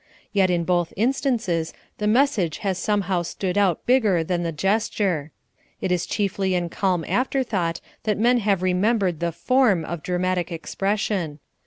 Yet in both instances the message has somehow stood out bigger than the gesture it is chiefly in calm afterthought that men have remembered the form of dramatic expression.